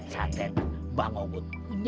sati bangungut punya